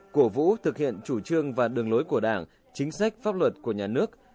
cổ vũ thực hiện chủ trương và đường lối của đảng chính sách pháp luật của nhà nước